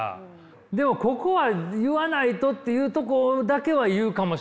でもここは言わないとっていうとこだけは言うかもしれんな。